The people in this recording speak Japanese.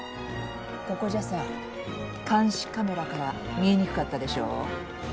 ここじゃさ監視カメラから見えにくかったでしょ？